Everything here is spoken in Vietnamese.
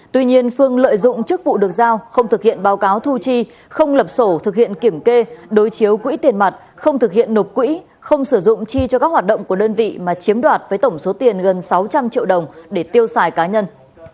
tuy nhiên phương lợi dụng chức vụ được giao không thực hiện báo cáo thu chi không lập sổ thực hiện kiểm kê đối chiếu quỹ tiền mặt không thực hiện nộp quỹ không sử dụng chi cho các hoạt động của đơn vị mà chiếm đoạt với tổng số tiền gần sáu trăm linh triệu đồng để tiêu xài cá nhân